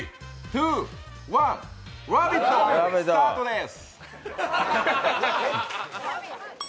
「ラヴィット！」スタートです。